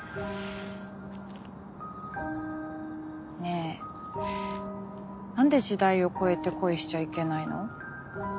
ねえ何で時代を超えて恋しちゃいけないの？